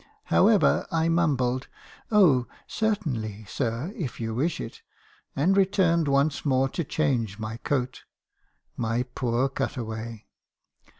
However, I mumbled, 'Oh, certainly, sir, if you wish it;' and returned once more to change my coat — my poor cut away.